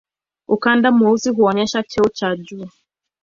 Ukanda mweusi huonyesha cheo cha juu.